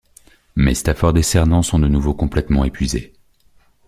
Mais Stafford et Cernan sont de nouveau complètement épuisés.